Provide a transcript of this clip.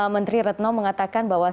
menteri retno mengatakan bahwa